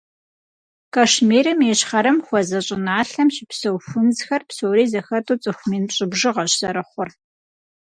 Кашмирым и ищхъэрэм хуэзэ щӏыналъэм щыпсэу хунзхэр псори зэхэту цӏыху мин пщӏы бжыгъэщ зэрыхъур.